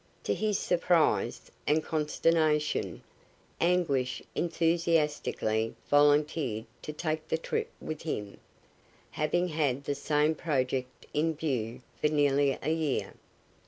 To his surprise and consternation, Anguish enthusiastically volunteered to take the trip with him, having had the same project in view for nearly a year.